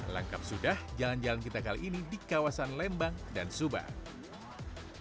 lengkap sudah jalan jalan kita kali ini di kawasan lembang dan subang